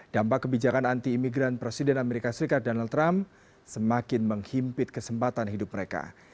dampak kebijakan anti imigran presiden amerika serikat donald trump semakin menghimpit kesempatan hidup mereka